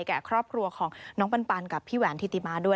แก่ครอบครัวของน้องปันกับพี่แหวนธิติมาด้วย